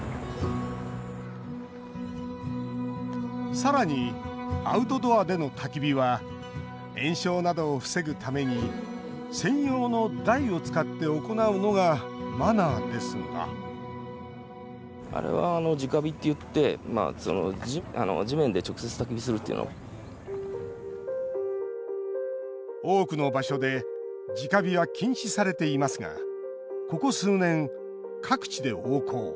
さらにアウトドアでのたき火は延焼などを防ぐために専用の台を使って行うのがマナーですが多くの場所で直火は禁止されていますがここ数年、各地で横行。